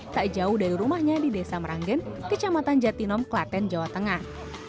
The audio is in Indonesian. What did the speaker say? tak jauh dari rumahnya di desa meranggen kecamatan jatinom klaten jawa tengah